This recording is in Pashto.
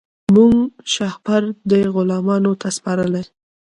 موږ شهپر دی غلیمانو ته سپارلی